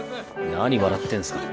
何笑ってんすか。